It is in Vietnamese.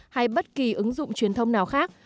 hay bất kỳ ứng dụng truyền thông nào khác